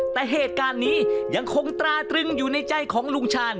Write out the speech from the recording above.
แต่เหตุการณ์นี้ยังคงตราตรึงอยู่ในใจของลุงชาญ